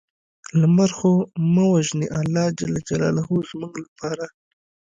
لمر خو مه وژنې الله ج زموږ لپاره